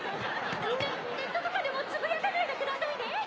ネネットとかでもつぶやかないでくださいね！